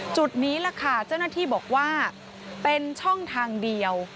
จุดนี้แหละค่ะเจ้าหน้าที่บอกว่าเป็นช่องทางเดียว